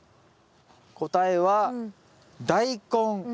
答えは大根。